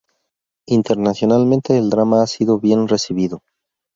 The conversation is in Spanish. Internacionalmente el drama ha sido bien recibido.